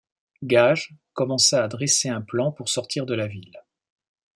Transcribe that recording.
Gage commença à dresser un plan pour sortir de la ville.